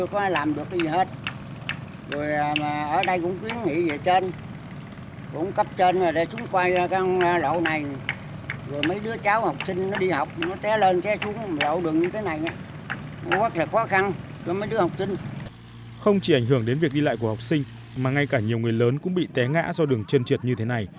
không chỉ ảnh hưởng đến việc đi lại của học sinh mà ngay cả nhiều người lớn cũng bị té ngã do đường chân trượt như thế này